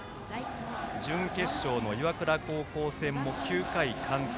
準決勝の岩倉高校戦も９回完投。